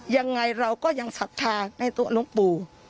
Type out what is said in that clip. ยังไงเราก็ยังศรัทธาในตัวหลวงปู่